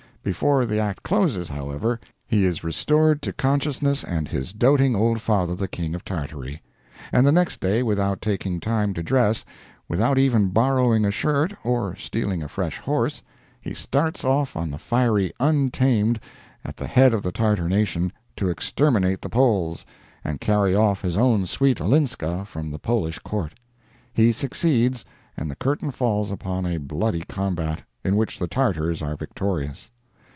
Before the act closes, however, he is restored to consciousness and his doting old father, the king of Tartary; and the next day, without taking time to dress—without even borrowing a shirt, or stealing a fresh horse—he starts off on the fiery untamed, at the head of the Tartar nation, to exterminate the Poles, and carry off his own sweet Olinska from the Polish court. He succeeds, and the curtain falls upon a bloody combat, in which the Tartars are victorious.